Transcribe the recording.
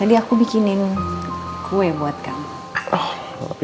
iya ini berarti